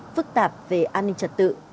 phức tạp về an ninh trật tự